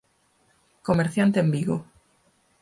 Comerciante en Vigo.